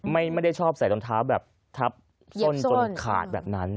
ไม่ได้ชอบใส่รองเท้าแบบทับส้นจนขาดแบบนั้น